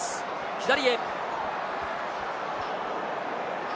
左へ。